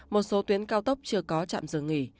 một số tuyến cao tốc chưa có chạm dường nghỉ